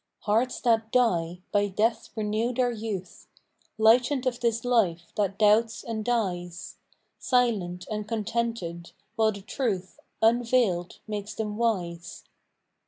Hearts that die, by death renew their youth, Lightened of this life that doubts and dies, Silent and contented, while the Truth Unveiled makes them wise.